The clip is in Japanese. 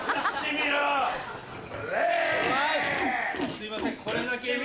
すいません。